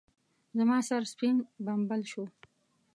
زما سر سپين بمبل شو.